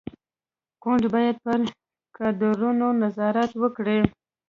ګوند باید پر کادرونو نظارت وکړي.